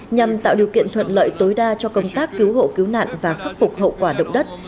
nhằm tạo điều kiện thuận lợi tối đa cho công tác cứu hộ cứu nạn và khắc phục hậu quả động đất